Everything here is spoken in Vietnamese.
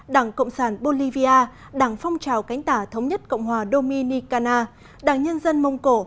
đảng cộng sản bolivia đảng phong trào cánh tả thống nhất cộng hòa dominicana đảng nhân dân mông cổ